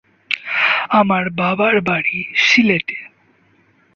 আমার বাবার বাড়ি সিলেটে।